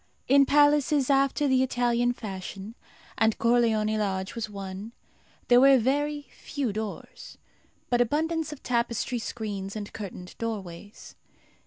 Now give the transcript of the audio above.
In palaces after the Italian fashion, and Corleone Lodge was one, there were very few doors, but abundance of tapestry screens and curtained doorways.